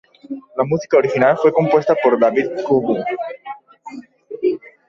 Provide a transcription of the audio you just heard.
La música original fue compuesta por David Cobo.